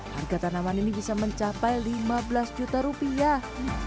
harga tanaman ini bisa mencapai lima belas juta rupiah